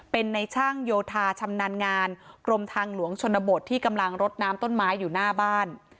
เป็นในช่างโยธาชำนาญงานกรมทางหลวงชนบทที่กำลังรดน้ำต้นไม้อยู่หน้าบ้าน